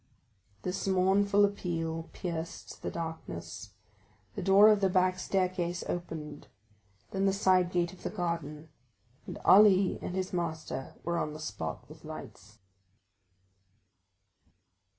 This mournful appeal pierced the darkness. The door of the back staircase opened, then the side gate of the garden, and Ali and his master were on the spot with lights.